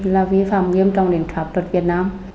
là vi phạm nghiêm trọng đến pháp luật việt nam